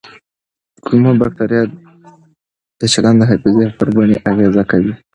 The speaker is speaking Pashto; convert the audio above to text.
کولمو بکتریاوې د چلند او حافظې پر بڼې اغېز کوي.